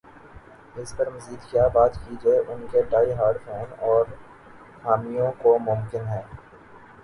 اس پر مزید کیا بات کی جائے ان کے ڈائی ہارڈ فین اور حامیوں کو ممکن ہے۔